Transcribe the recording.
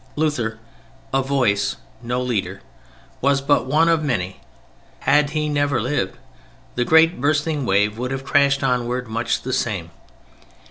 Luther (a voice, no leader) was but one of many: had he never lived, the great bursting wave would have crashed onward much the same.